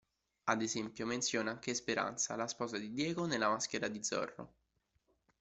Ad esempio, menziona anche Esperanza, la sposa di Diego ne "La maschera di Zorro".